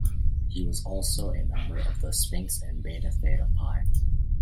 He was also a member of the Sphinx and Beta Theta Pi.